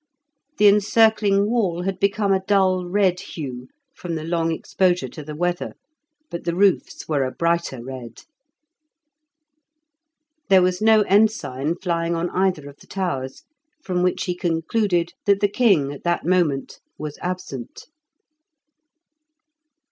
The encircling wall had become a dull red hue from the long exposure to the weather, but the roofs were a brighter red. There was no ensign flying on either of the towers, from which he concluded that the king at that moment was absent.